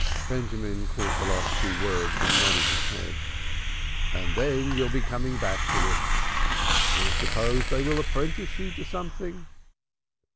Benjamin caught the last two words and nodded his head. "And then you'll be coming back to us. I suppose they will apprentice you to something."